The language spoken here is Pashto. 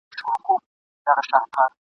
خدای به راولي دا ورځي زه به اورم په وطن کي ..